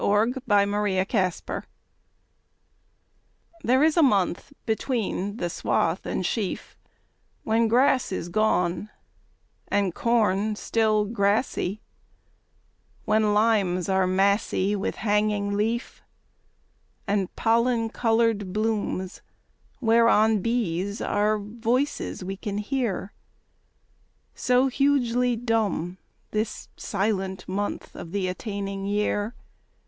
Michael Field July THERE is a month between the swath and sheaf When grass is gone And corn still grassy; When limes are massy With hanging leaf, And pollen coloured blooms whereon Bees are voices we can hear, So hugely dumb This silent month of the attaining year.